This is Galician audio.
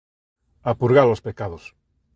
a purgar os pecados.